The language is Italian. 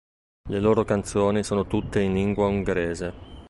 Le loro canzoni sono tutte in lingua ungherese.